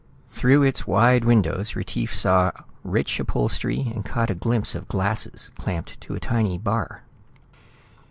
Through its wide windows Retief saw rich upholstery and caught a glimpse of glasses clamped to a tiny bar.